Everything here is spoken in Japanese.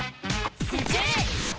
「スクる！」。